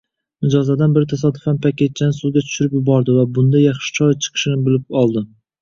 Mijozlardan biri tasodifan paketchani suvga tushirib yubordi, va bunda yaxshi choy chiqishini bilib oldi.